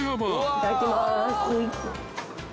いただきます。